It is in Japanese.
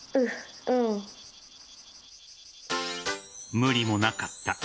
無理もなかった。